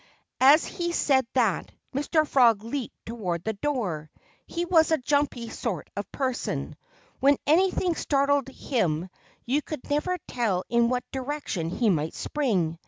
As he said that. Mr. Frog leaped toward the door. He was a jumpy sort of person. When anything startled him you could never tell in what direction he might spring.